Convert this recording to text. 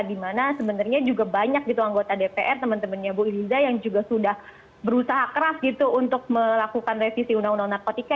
dimana sebenarnya juga banyak gitu anggota dpr teman temannya bu iriza yang juga sudah berusaha keras gitu untuk melakukan revisi undang undang narkotika